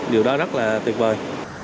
điều đó rất là tuyệt vời